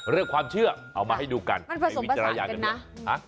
เรื่องความเชื่อเอามาให้ดูกันใช้วิจารณญาณกันด้วย